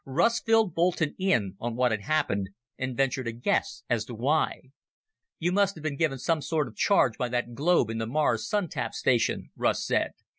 Russ filled Boulton in on what had happened and ventured a guess as to why. "You must have been given some sort of charge by that globe in the Mars Sun tap station," Russ said.